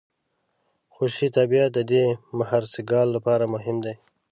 خوشي طبیعت د دې مهرسګال لپاره مهم دی.